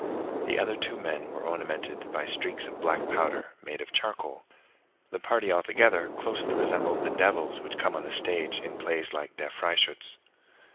The other two men were ornamented by streaks of black powder, made of charcoal. The party altogether closely resembled the devils which come on the stage in plays like Der Freischutz.